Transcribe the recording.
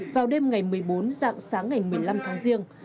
trong ngày một mươi bốn dạng sáng ngày một mươi năm tháng riêng